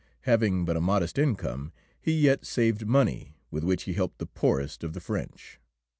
Having but a modest income, he yet saved money, with which he helped the poorest of the French.